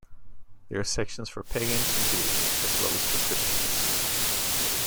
There are sections for Pagans and Jews, as well as for Christians.